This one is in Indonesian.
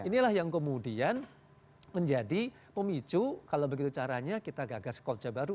nah ini adalah yang kemudian menjadi pemicu kalau begitu caranya kita gagas kolja baru